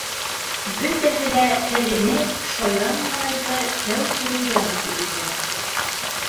Бөтәһе лә теремек, шаян малайҙы тәү күреүҙән үк үҙ итә.